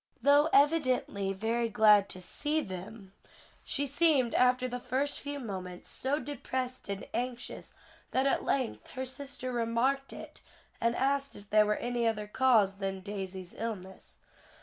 Though evidently very glad to see them, she seemed, after the first few moments, so depressed and anxious, that at length her sister remarked it, and asked if there were any other cause than Daisy's illness.